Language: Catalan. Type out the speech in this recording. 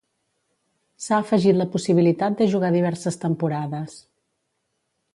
S'ha afegit la possibilitat de jugar diverses temporades.